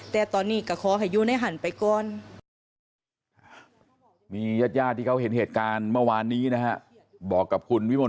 แต่ตอนนี้ก็ขอให้อยู่ในหันไปก่อน